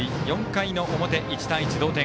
４回の表、１対１、同点。